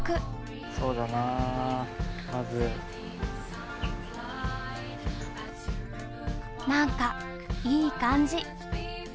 そうだな、まず何かいい感じ。